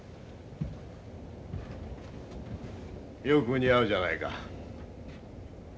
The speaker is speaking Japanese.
よく似合うじゃないか。